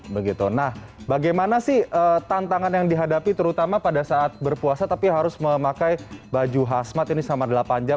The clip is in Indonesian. begitu nah bagaimana sih tantangan yang dihadapi terutama pada saat berpuasa tapi harus memakai baju hasmat ini selama delapan jam